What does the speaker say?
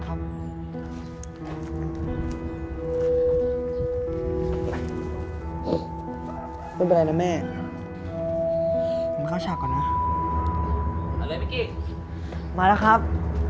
ไม่เป็นไรนะแม่ฉันเข้าฉากก่อนนะไปเลยมาแล้วครับ